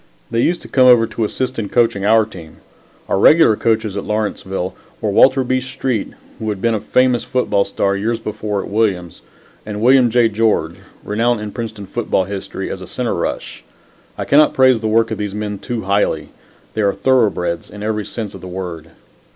They used to come over to assist in coaching our team. Our regular coaches at Lawrenceville were Walter B. Street, who had been a famous football star years before at Williams, and William J. George, renowned in Princeton's football history as a center rush. I cannot praise the work of these men too highly. They were thoroughbreds in every sense of the word.